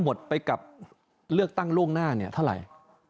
หมดไปกับเลือกตั้งล่วงหน้าเนี่ยเท่าไหร่